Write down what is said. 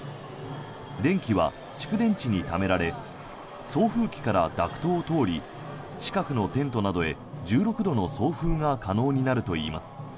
電気は蓄電池にためられ送風機からダクトを通り近くのテントなどへ１６度の送風が可能になるといいます。